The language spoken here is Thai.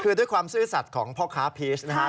คือด้วยความซื่อสัตว์ของพ่อค้าพีชนะฮะ